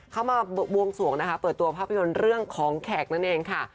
เข้ามาบวงสวงนะคะเปิดตัวภาพยนตร์เรื่องของแขกนั่นเองค่ะ